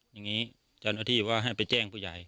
อย่างนี้เจ้าหน้าที่ว่าให้ไปแจ้งผู้ใหญ่